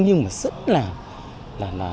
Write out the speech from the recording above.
nhưng mà rất là